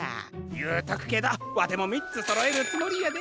ゆうとくけどわてもみっつそろえるつもりやで。